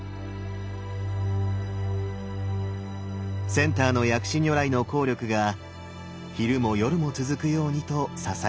センターの薬師如来の効力が昼も夜も続くようにと支えているんです。